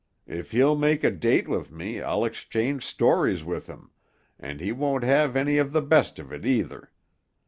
If he'll make a date with me, I'll exchange stories with him; and he won't have any of the best of it, either.